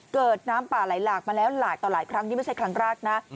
เกิดน้ำป่าไหลหลากมาแล้วหลายต่อหลายครั้งนี่ไม่ใช่ครั้งแรกนะ